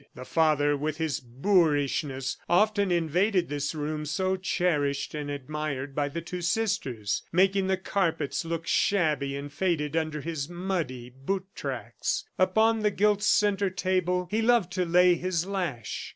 The father, with his boorishness, often invaded this room so cherished and admired by the two sisters, making the carpets look shabby and faded under his muddy boot tracks. Upon the gilt centre table, he loved to lay his lash.